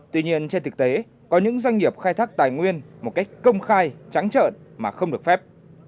tuy nhiên trên thực tế có những doanh nghiệp khai thác tài nguyên một cách công khai trắng trợn mà không được phép